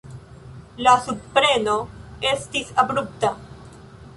La subpremo estis abrupta.